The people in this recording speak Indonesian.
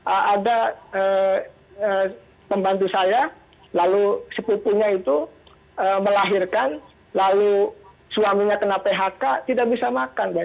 ada pembantu saya lalu sepupunya itu melahirkan lalu suaminya kena phk tidak bisa makan ya